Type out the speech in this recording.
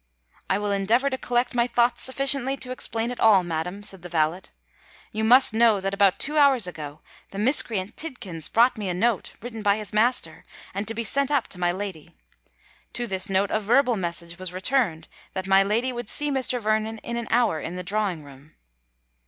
"I will endeavour to collect my thoughts sufficiently to explain it all, madam," said the valet. "You must know, that about two hours ago, the miscreant Tidkins brought me a note, written by his master, and to be sent up to my lady. To this note a verbal message was returned that my lady would see Mr. Vernon in an hour in the drawing room."